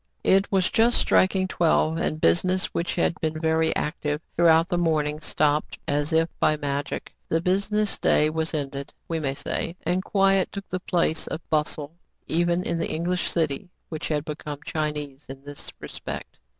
It was just striking twelve ; and business, which had been very active throughout the morning, stopped as if by magic. The business day was. ended, we may say ; and quiet took the place of bustle, even in the English city, which had become Chinese in this respect.